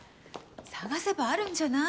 探せばあるんじゃない？